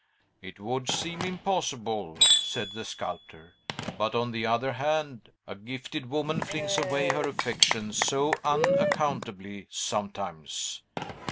"It would seem impossible," said the sculptor. "But, on the other hand, a gifted woman flings away her affections so unaccountably, sometimes!